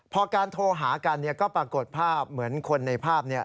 พอการโทรหากันเนี่ยก็ปรากฏภาพเหมือนคนในภาพ